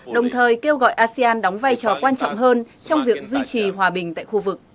đồng thời kêu gọi asean đóng vai trò quan trọng hơn trong việc duy trì hòa bình tại khu vực